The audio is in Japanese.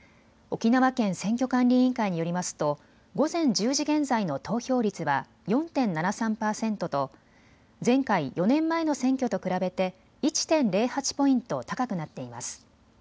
沖縄県選挙管理委員会によりますと午前１０時現在の投票率は４．７３％と前回４年前の選挙と比べて１．０８ポイント高くなっています。